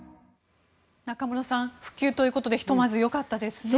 中室さん復旧ということでひとまずよかったですね。